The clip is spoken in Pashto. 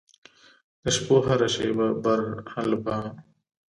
د شپو هره شیبه برالبه